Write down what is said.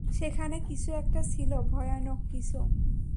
সেখানে কিছু একটা ছিল, ভয়ানক কিছু।